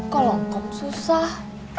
kalau ongkom susah